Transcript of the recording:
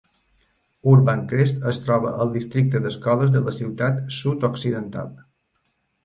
Urbancrest es troba al districte d'escoles de la ciutat sud-occidental.